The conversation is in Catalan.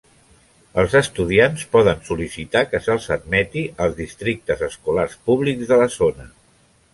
Els estudiants poden sol·licitar que se'ls admeti als districtes escolars públics de la zona.